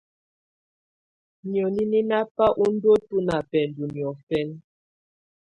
Nìóni nɛ́ ná bá úndúǝ́tɔ̀ ná bɛndɔ niɔ̀fɛna.